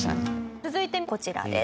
続いてこちらです。